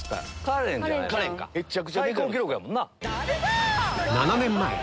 最高記録やもんな。